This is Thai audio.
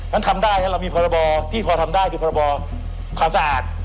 ทำได้เรามีพรบที่พอทำได้คือพรบความสะอาด